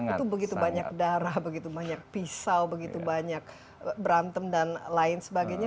itu begitu banyak darah begitu banyak pisau begitu banyak berantem dan lain sebagainya